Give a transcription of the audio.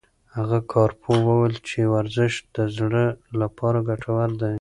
هغه کارپوه وویل چې ورزش د زړه لپاره ګټور دی.